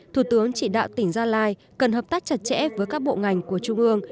thủ tướng chỉ đạo tỉnh gia lai cần hợp tác chặt chẽ với các bộ ngành của trung ương